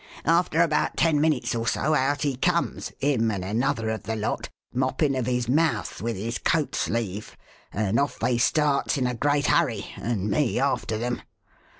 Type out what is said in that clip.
"After about ten minutes or so, out he comes him and another of the lot moppin' of his mouth with his coat sleeve, and off they starts in a great hurry, and me after them.